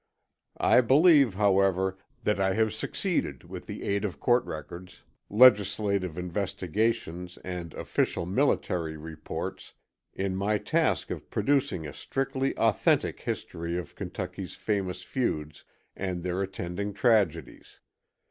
I believe, however, that I have succeeded, with the aid of court records, legislative investigations and official military reports, in my task of producing a strictly authentic history of Kentucky's Famous Feuds and their attending tragedies.